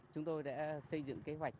chúng tôi đã xây dựng kế hoạch